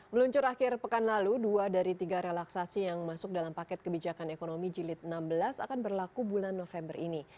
meluncur akhir pekan lalu dua dari tiga relaksasi yang masuk dalam paket kebijakan ekonomi jilid enam belas akan berlaku bulan november ini